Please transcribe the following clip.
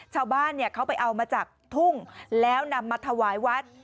ชาวบ้านเขาไปเอามาจากทุ่งแล้วนำมาถวายวัด